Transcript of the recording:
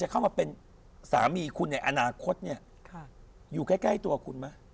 เข้ามาเป็นสามีคุณในอนาคตเนี่ยอยู่ใกล้ตัวคุณไหม